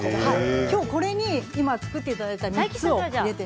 きょうこれに今作っていただいた３つを入れて。